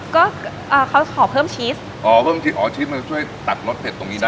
ก็อ่าเขาขอเพิ่มชีสอ๋อเพิ่มชีสอ๋อชีสมาช่วยตัดรสเผ็ดตรงนี้ได้